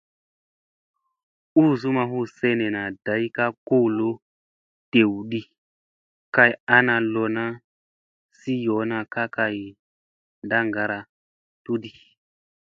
Uuzu ma huu sene day ka kolo dew ɗi, kay ana lona sii yoo ka kay ndaŋgara tu di.